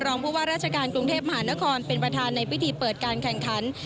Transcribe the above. รองผู้ว่าราชการกรุงเทพมหานครเป็นประธานในพิธีเปิดการแข่งขัน